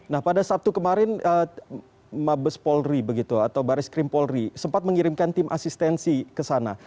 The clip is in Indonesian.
nah pada sabtu kemarin mabes polri begitu atau baris krim polri sempat mengirimkan tim asistensi ke sana